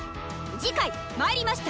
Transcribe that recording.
次回「魔入りました！